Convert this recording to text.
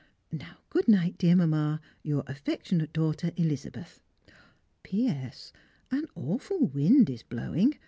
Now, good night, dear Mamma, your affectionate daughter, Elizabeth. P.S. An awful wind is blowing.